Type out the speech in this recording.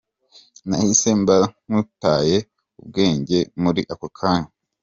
Nahise mba nkutaye ubwenge muri ako kanya.